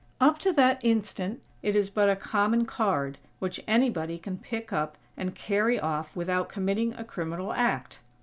Up to that instant it is but a common card, which anybody can pick up and carry off without committing a criminal act.